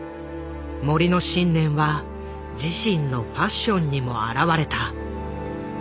森の信念は自身のファッションにも表れた。